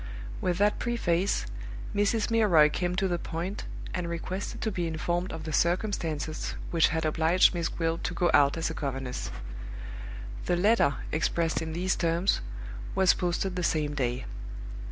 With that preface, Mrs. Milroy came to the point, and requested to be informed of the circumstances which had obliged Miss Gwilt to go out as a governess. The letter, expressed in these terms, was posted the same day.